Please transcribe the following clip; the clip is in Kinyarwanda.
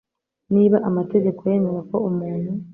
niba amategeko yemera ko umuntu